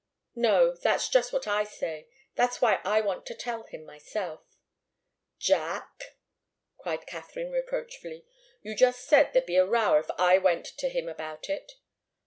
"No that's just what I say. That's why I want to tell him myself." "Jack!" cried Katharine, reproachfully. "You just said there'd be a row if I went to him about it."